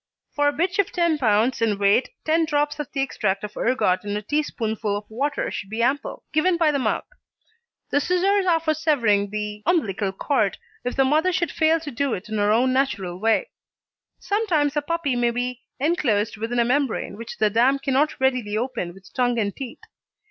For a bitch of 10 lb. in weight ten drops of the extract of ergot in a teaspoonful of water should be ample, given by the mouth. The scissors are for severing the umbilical cord if the mother should fail to do it in her own natural way. Sometimes a puppy may be enclosed within a membrane which the dam cannot readily open with tongue and teeth.